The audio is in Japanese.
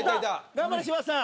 頑張れ柴田さん。